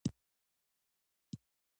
د افغانستان جغرافیه کې وګړي ستر اهمیت لري.